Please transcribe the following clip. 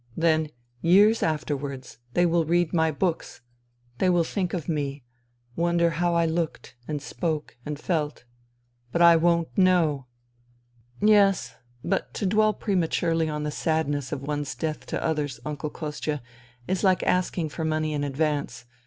Then, years afterwards, they will read my books; they will think of me, wonder how I looked and spoke and felt. And I won't know. ..."" Yes. But to dwell prematurely on the sadness of one's death to others. Uncle Kostia, is like asking for money in advance.